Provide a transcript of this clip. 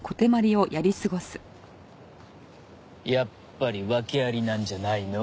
やっぱり訳ありなんじゃないの？